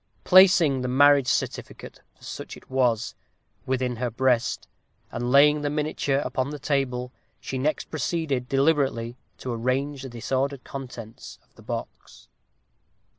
Placing the marriage certificate, for such it was, within her breast, and laying the miniature upon the table, she next proceeded, deliberately, to arrange the disordered contents of the box.